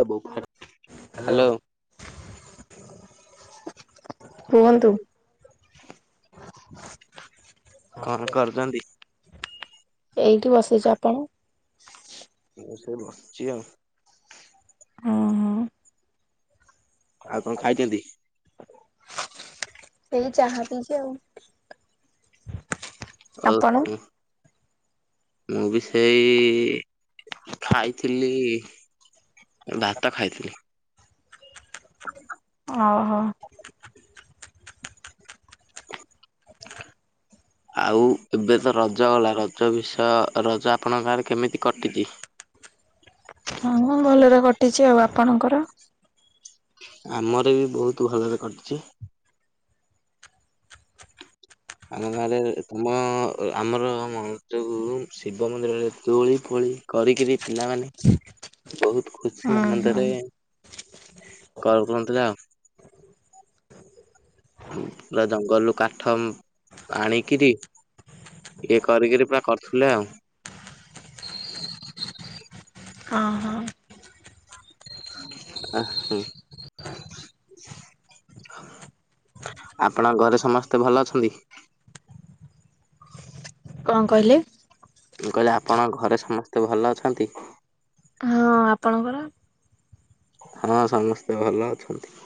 [unintelligible] Hello କୁହନ୍ତୁ। କଣ କରୁଚନ୍ତି। ଏଇଠି ବସିଚି ଆପଣ। [unintelligible] ହୁଁ ହୁଁ। ଆଉ କଣ ଖାଇଚନ୍ତି। ସେଇ ଚାହା ପିଇଚି ଆଉ। ହଉ ଆପଣ ହଁ ମୁଁ ବି ସେଇ ଖାଇଥିଲି ଭାତ ଖାଇଥିଲି। [inaudible] ଓହ। ଆଉ ଏବେ ତ ରଜ ଗଲା ରଜ ବିଷ ରଜ ଆପଣଙ୍କ ଗାଁରେ କେମିତି କଟିଚି। ହଁ ମୁଁ ଭଲରେ କଟିଚି ଆଉ ଆପଣଙ୍କର। ଆମର ବି ବୋହୁତ୍ ଭଲରେ କଟିଚି। ଆମ ଗାଁରେ ତମ ଆମର ମ ଯୋଉ ଶିବ ମନ୍ଦିରରେ ଦୋଳି ଫୋଳି କରିକିରି ପିଲାମାନେ ବୋହୁତ୍ ଖୁସି ହୁଁ ଆନନ୍ଦରେ। ହୁଁ। [unintelligible] ପୁରା ଜଙ୍ଗଲ୍ରୁୁ କାଠ ଆଣିକିରି। ଇଏ କରିକିରି ପୁରା କର୍ଥିଲେ ଆଉ। ହଁ ହଁ। [unintelligible] ଆପଣଙ୍କ ଘରେ ସମସ୍ତେ ଭଲ ଅଛନ୍ତି। କଣ କହିଲେ। ମୁଁ କହିଲି ଆପଣଙ୍କ ଘରେ ସମସ୍ତେ ଭଲ ଅଛନ୍ତି। ହଁ ଆପଣଙ୍କର। ହଁ ସମସ୍ତେ ଭଲ ଅଛନ୍ତି।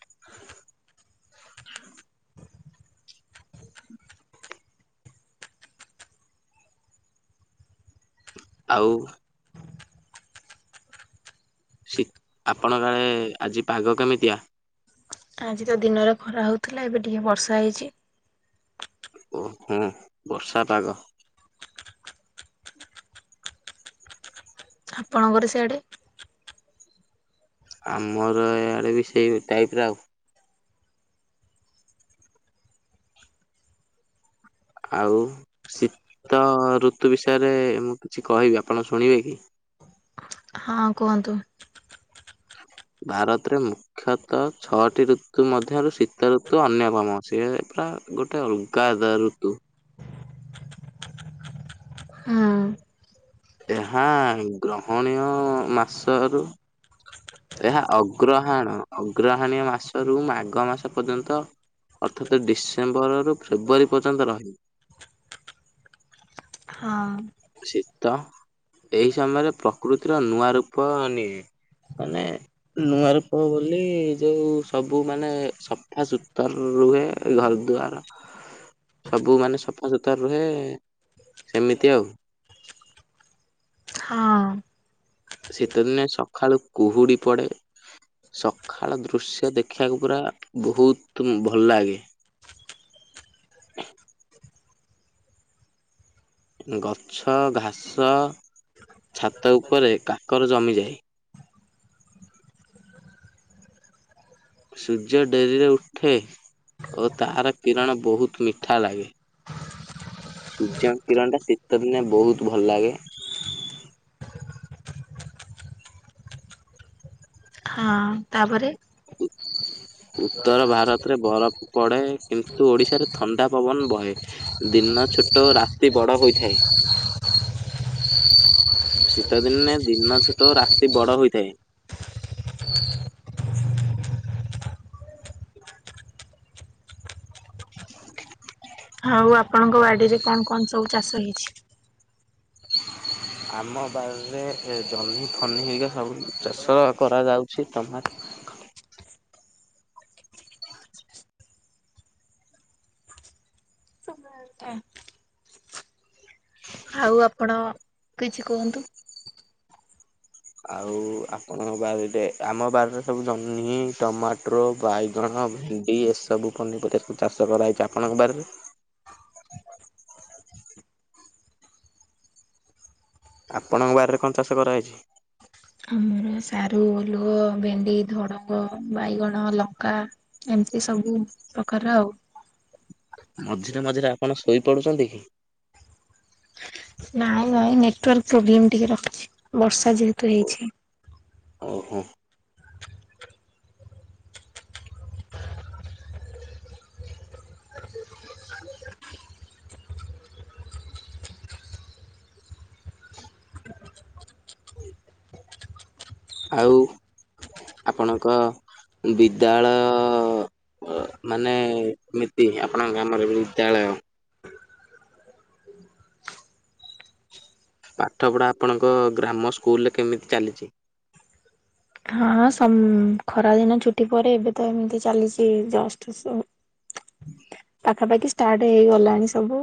[inaudible] ଆଉ ସି ଆପଣଙ୍କ ଆଡ଼େ ଆଜି ପାଗ କେମିତିଆ? ଆଜି ତ ଦିନରେ ଖରା ହଉଥିଲା ଏବେ ଟିକେ ବର୍ଷା ହେଇଛି। ଓହୋ ବର୍ଷା ପାଗ। ଆପଣଙ୍କର ସେଆଡେ। ଆମର ଇଆଡ଼େବି ସେଇ ଟାଇପର ଆଉ। ଆଉ ଶୀତ ଋତୁ ବିଷୟରେ ମୁଁ କିଛି କହିବି ଆପଣ ଶୁଣିବେକି? ହଁ କୁହନ୍ତୁ। ଭାରତରେ ମୁ ମୁଖ୍ୟତଃ ଛଅଟି ଋତୁ ମଧ୍ୟରୁ ଶୀତ ଋତୁ ଅନ୍ୟପମ ସିଏ ପୁରା ଗୋଟେ ଅଲଗା [unintelligible] ଋତୁ। ହଁ। ଏହା ଗ୍ରହଣୀୟ ମାସରୁ ଏହା ଅଗ୍ରହାଣ ଅଗ୍ରହାଣ ମାସରୁୁ ମାଘ ମାସ ପର୍ଯ୍ୟନ୍ତ ଅର୍ଥାତ ଡିସେମ୍ବରରୁୁ ଫେବୃୟରୀ ପର୍ଯ୍ୟନ୍ତ ରହିବ। ହଁ। ଶୀତ ଏଇଁ ସମୟରେ ପ୍ରକୃତିର ନୂଆ ରୂପ ନିଏ। ମାନେ ନୂଆ ରୂପ ବୋଲି ଯୋଉ ସବୁ ମାନେ ସଫା ସୁତୁର ରୁହେ ଘର ଦୁଆର। ସବୁ ମାନେ ସଫା ସୁତୁର ରୁହେ ସେମିତି ଆଉ। ହଁ। ଶୀତ ଦିନେ ସଖାଳୁ କୁହୁଡ଼ି ପଡ଼େ। ସକାଳ ଦୃଶ୍ୟ ଦେଖିବାକୁ ପୁରା ବହୁତ ଭଲ ଲାଗେ। ଗଛ ଘାସ ଛାତ ଉପରେ କାକର ଜମିଯାଏ। ସୂର୍ଯ୍ୟ ଡେରିରେ ଉଠେ। ଓ ତାହାର କିରଣ ବହୁତ୍ ମିଠା ଲାଗେ। ସୂର୍ଯ୍ୟ କିରଣଟା ଶୀତ ଦିନେ ବହୁତ୍ ଭଲ ଲାଗେ। ହଁ ତାପରେ। ଉତ୍ତର ଭାରତରେ ବରଫ ପଡେ କିନ୍ତୁ ଓଡିଶାରେ ଥଣ୍ଡା ପବନ ବହେ। ଦିନ ଛୋଟ ରାତି ବଡ ହୋଇଥାଏ। [inaudible] ଶୀତ ଦିନେ ଦିନ ଛୋଟ ରାତି ବଡ ହୋଇଥାଏ। [inaudible] [inaudible] ଆଉ ଆପଣଙ୍କ ବାଡ଼ିରେ କଣ କଣ ସବୁ ଚାଷ ହେଇଛି? ଆମ ବାରିରେ ଏ ଜହ୍ନି ଫହ୍ନି ହେଇକି ସବୁ ଚାଷ କରାଯାଉ ସେ ଟମାଟୋ। ଆଜ୍ଞା। ଆଉ ଆପଣ କିଛି କୁହନ୍ତୁ? ଆଉ ଆପଣ ବାରିଡେ ଆମ ବାରିରେ ସବୁ ଜହ୍ନି ଟମାଟୋ। ଟ୍ରୋର୍ ବାଇଗଣ ଭେଣ୍ଡି ଏସବୁ ପନିପରିବା ସବୁ ଚାଷ କରାଯାଇଚି ଆପଣଙ୍କ ବାରିରେ? ଆପଣଙ୍କ ବାରିରେ କଣ ଚାଷ କରାହେଇଚି? ଆମର ସାରୁ ଓଲୁଅ ଭେଣ୍ଡି ଧଡଙ୍ଗ ବାଇଗଣ ଲଙ୍କା। ଏମିତି ସବୁ ପ୍ରକାର ଆଉ। ମଝିରେ ମଝିରେ ଆପଣ ଶୋଇପଡୁଚନ୍ତି କି? ନାଇଁ ନାଇଁ ନେଟୱାର୍କ ପ୍ରୋବ୍ଲେମ ଟିକେ ରଖୁଛି ବର୍ଷା ଯେହେତୁ ହେଇଛି। ଓହୋ। ଆଉ ଆପଣଙ୍କ ବିଦ୍ୟାଳୟ ଅ ମାନେ ଏମିତି ଆପଣଙ୍କ ଗ୍ରାମ ରେ ବିଦ୍ୟାଳୟ ପାଠପଢା ଆପଣଙ୍କ ଗ୍ରାମ ସ୍କୁଲ ରେ କେମିତି ଚାଲିଚି? ହଁଁ ସମ୍ ଖରା ଦିନ ଛୁଟି ପରେ ଏବେ ତ ଏମିତି ଚାଲିଚି ଜଷ୍ଟ ସୋ ପାଖାପାଖି ଷ୍ଟାର୍ଟ ହେଇଗଲାଣି ସବୁ।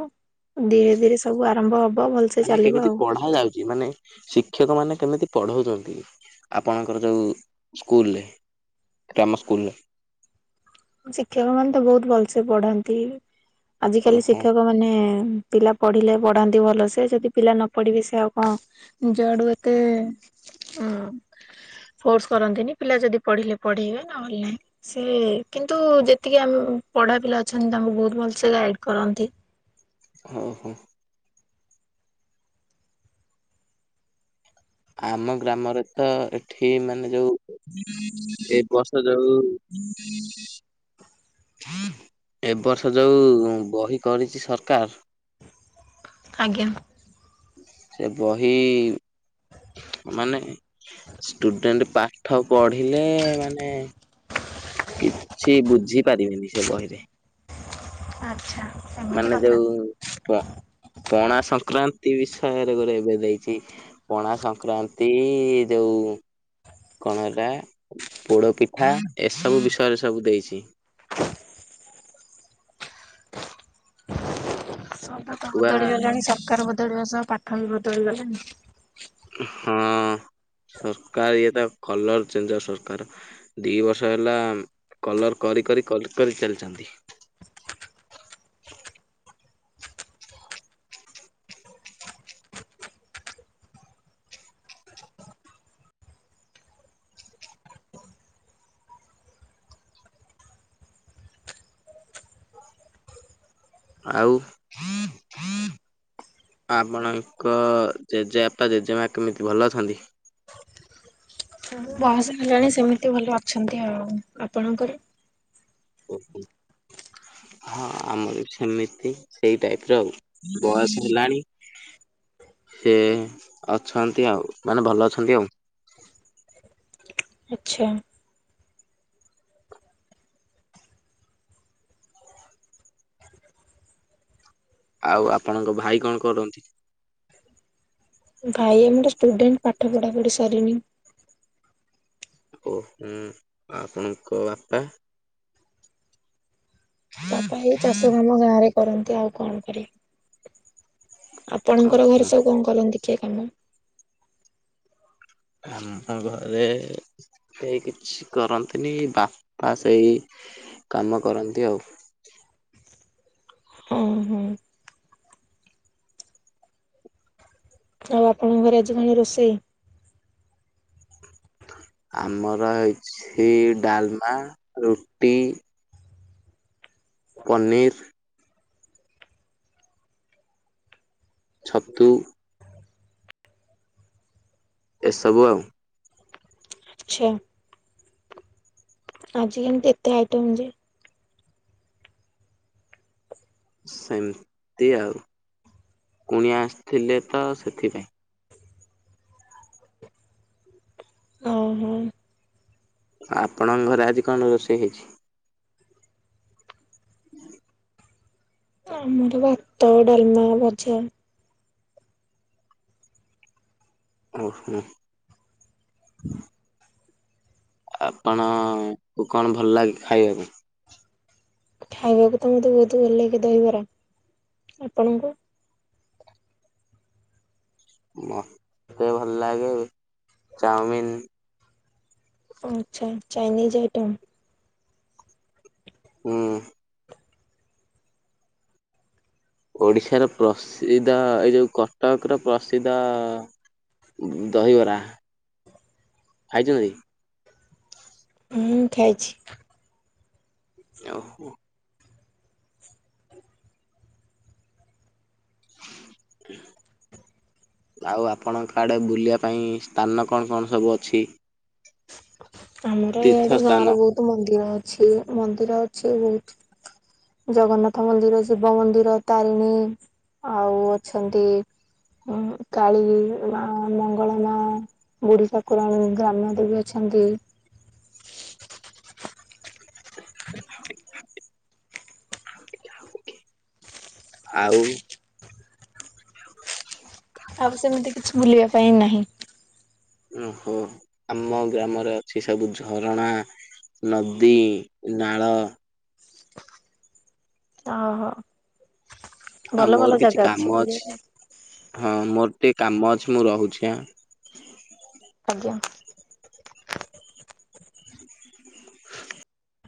ଧୀରେ ଧୀରେ ସବୁ ଆରମ୍ଭ ହବ ଭଲ୍ସେ ମାନେ ଚାଲିବ କେମିତି ଆଉ। ପଢା ଯାଉଚି ମାନେ। ଶିକ୍ଷକ ମାନେ କେମିତି ପଢଉଚନ୍ତି ଆପଣଙ୍କର ଯୋଉ ସ୍କୁଲ୍ରେ। ଗ୍ରାମ ସ୍କୁଲ୍ରେ। ଶିକ୍ଷକ ମାନେ ତ ବୋହୁତ୍ ଭଲ୍ସେ ପଢାନ୍ତି। ଆଜିକାଲି ଓହୋ ଶିକ୍ଷକ ମାନେ ପିଲା ପଢିଲେ ପଢାନ୍ତି ଭଲ ସେ ଯଦି ପିଲା ନ ପଢିବେ ସେ ଆଉ କଣ ନିଜଆଡୁ ଏତେ ହଁ। ଫୋର୍ସ କରନ୍ତିନି ପିଲା ଯଦି ପଢିଲେ ପଢେଇବେ ନହେଲେ ନାହିଁ ସେ କିନ୍ତୁ ଯେତିକି ଆମ ପଢ଼ା ପିଲା ଅଛନ୍ତି। ତାକୁ ବୋହୁତ୍ ଭଲସେ ଗାଇଡ଼୍ କରନ୍ତି। ଅଁହ। ଆମ ଗ୍ରାମରେ ତ ଏଠି ମାନେ ଯୋଉ ଏ ବର୍ଷ ଯୋଉ [inaudible] ଏ ବର୍ଷ ଯୋଉ ବହି କରିଚି ସରକାର୍। ଆଜ୍ଞା। ସେ ବହି ମାନେ ଷ୍ଟୁଡେଣ୍ଟ ପାଠ ପଢିଲେ ମାନେ। କିଛି ବୁଝି ପାରିବିନି ସେ ବହିରେ। ଆଚ୍ଛା। ଏମିତି ମାନେ କଥା। ଯୋଉ ପ ପଣା ସଂକ୍ରାନ୍ତି ବିଷୟରେ ଗୋଟେ ଏବେ ଦେଇଛି? ପଣା ସଂକ୍ରାନ୍ତି ଯୋଉ। କଣ ହେଇଟା ପୋଡ ପିଠା ଏସବୁ ବିଷୟରେ ସବୁ ଦେଇଛି। ସବୁ ଆଉ ତ ଛୁଆ ବଦଳି ଗଲାଣି ସରକାର ବଦଳିବା ସହ ପାଠ ବି ବଦଳିଗଲାଣି। ହଁ ସରକାର ଇଏ ତ କଲର ଚେଞ୍ଜ ସରକାର। ଦି ବର୍ଷ ହେଲା କଲର କରି କରି କରି କରି ଚାଲିଛନ୍ତି। ଆଉ। ଆପଣଙ୍କ ଜେଜେବାପା ଜେଜେମା କେମିତି ଭଲ ଅଛନ୍ତି? ତାଙ୍କୁ ବୟସ ହେଲାଣି ସେମିତି ଭଲ ଅଛନ୍ତି। ଆଉ ଆପଣଙ୍କର? ହଁ ଆମର ବି ସେମିତି ସେଇ ଟାଇପ ର ଆଉ। ବୟସ ହେଲାଣି। ସେ ଅଛନ୍ତି ଆଉ ମାନେ ଭଲ ଅଛନ୍ତି ଆଉ। ଆଚ୍ଛା। ଆଉ ଆପଣଙ୍କ ଭାଇ କଣ କରନ୍ତି? ଭାଇ ଏମିତି ଷ୍ଟୁଡେଣ୍ଟ ପାଠ ପଢା ପଢି ସରନି। ଓ ହୁଁ। ଆପଣଙ୍କ ବାପା ବାପା ଏଇ ଚାଷ କାମ ଗାଁ ରେ କରନ୍ତି ଆଉ କଣ କରିବେ। ଆପଣଙ୍କର ଓହୋ ଘରେ ସବୁ କଣ କରନ୍ତି କିଏ କାମ। ଆମ ଘରେ ସେ କିଛି କରନ୍ତିନି ବାପା ସେଇ କାମ କରନ୍ତି ଆଉ। ଉଁ ହୁଁ। ଆଉ ଆପଣଙ୍କ ଘରେ ଆଜି କଣ ରୋଷେଇ? ଆମର ହେଇଛି ଡାଲମା, ରୁଟି। ପନିର୍। ଛତୁ। ଏସବୁ ଆଉ। ଆଛା। ଆଜି କେମିତି ଏତେ ଆଇଟମ୍ ଯେ? ସେମତି ଆଉ କୁଣି ଆସିଥିଲେ ତ ସେଥିପାଇଁ। ଓହୋ। ଆପଣଙ୍କ ଘରେ ଆଜି କଣ ରୋଷେଇ ହେଇଛି? [inaudible] ଆମର ଭାତ ଡାଲମା ଭଜା। ଓ ହୋ। ଆପଣଙ୍କୁ କଣ ଭଲ ଲାଗେ ଖାଇବାକୁ? ଖାଇବାକୁ ତ ମତେ ବହୁତ ଭଲ ଲାଗେ ଦହିବରା ଆପଣଙ୍କୁ ମୋତେ ଭଲ ଲାଗେ ଚାଉମିିନ। ଓ ଆଛା ଚାଇନିଜ୍ ଆଇଟମ୍। ହୁଁ। ଓଡ଼ିଶାର ପ୍ରସିଦ୍ଧ ଏ ଯୋଉ କଟକର ପ୍ରସିଦ୍ଧ ଦହିବରା ଖାଇଛନ୍ତି। ହୁଁ ଖାଇଛି। ଓହୋ। ହ [inaudible] ଆଉ ଆପଣଙ୍କ ଆଡେ ବୁଲିବା ପାଇଁ ସ୍ଥାନ କଣ କଣ ସବୁ ଅଛି? ଆମର ତୀର୍ଥ ଇଆଡେ ଗାଁ ସ୍ଥାନ ରେ ବହୁତ ମନ୍ଦିର ଅଛି ମନ୍ଦିର ଅଛି ବହୁତ। ଜଗନ୍ନାଥ ମନ୍ଦିର ଶିବ ମନ୍ଦିର ତାରିଣୀ। ଆଉ ଅଛନ୍ତି। ଉଁ କାଳୀ ମା ମଙ୍ଗଳା ମା ବୁଢୀ ଠାକୁରାଣୀ ଗ୍ରାମ ଦେଵୀ ଅ ଛନ୍ତି। ଆଉ ଆଉ ସେମିତି କିଛି ବୁଲିବା ପାଇଁ ନାହିଁ। ଓହୋ ଆମ ଗ୍ରାମରେ ଅଛି ସବୁ ଝରଣା ନଦୀ ନାଳ ଓହୋ। ଆଉ ଭଲ ମୋର ଭଲ କିଛି ଜାଗା କାମ ବୁଲିବା ଅଛି ପାଇଁ ହଁ ମୋର ଟିକେ କାମ ଅଛି ମୁଁ ରହୁଛି ଆ ଆଜ୍ଞା।